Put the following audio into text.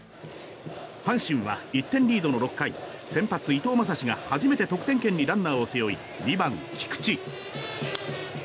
阪神は１点リードの６回先発、伊藤将司が初めて得点圏にランナーを背負い２番、菊池。